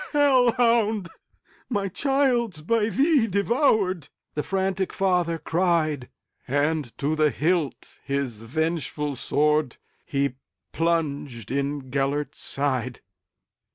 "Hell hound! my child 's by thee devoured,"The frantic father cried; And to the hilt his vengeful swordHe plunged in Gêlert's side.